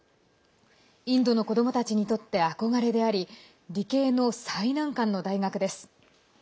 インドの子どもたちにとって憧れであり理系の最難関の大学です。